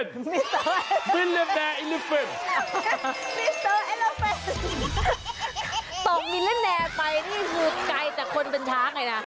ตกมิลเลนเนอร์ไปนี่คือไก่แต่คนเป็นช้างไงนะ